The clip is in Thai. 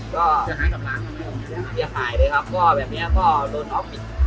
ก็จะหายกับร้านจะหายเลยครับก็แบบเนี้ยก็โดนออฟฟิศ